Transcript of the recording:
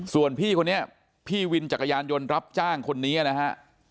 ส่วนพี่คนนี้พี่วินจักรยานยนต์รับจ้างคนนี้นะฮะ